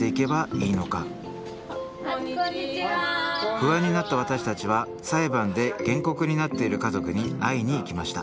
不安になった私たちは裁判で原告になっている家族に会いに行きました。